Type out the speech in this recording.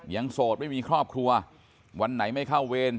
โสดไม่มีครอบครัววันไหนไม่เข้าเวร